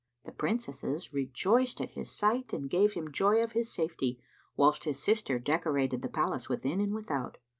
The Princesses rejoiced at his sight and gave him joy of his safety, whilst his sister decorated the palace within and without.